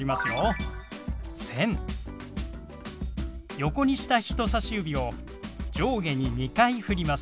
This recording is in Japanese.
横にした人さし指を上下に２回ふります。